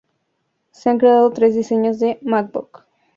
Se han creado tres diseños de MacBook.